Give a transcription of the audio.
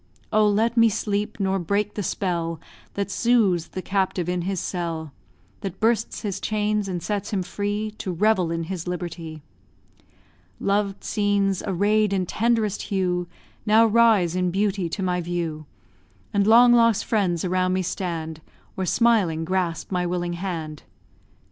Oh, let me sleep! nor break the spell That soothes the captive in his cell; That bursts his chains, and sets him free, To revel in his liberty. Loved scenes, array'd in tenderest hue, Now rise in beauty to my view; And long lost friends around me stand, Or, smiling, grasp my willing hand.